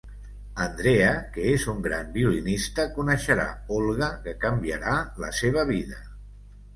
Andrea, que és un gran violinista, coneixerà Olga, que canviarà la seva vida.